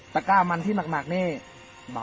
ตะกร้ามันที่หมากเนี่ย